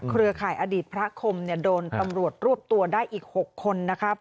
เครือข่ายอดีตพระคมโดนตำรวจรวบตัวได้อีก๖คนนะครับ